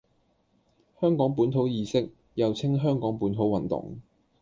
香港本土意識，又稱香港本土運動